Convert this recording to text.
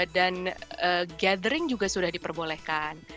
dan gathering juga sudah diperbolehkan